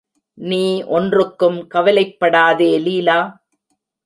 நீ ஒன்றுக்கும் கவலைப்படாதே லீலா.